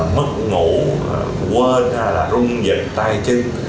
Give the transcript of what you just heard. mất ngủ quên rung giật tay chân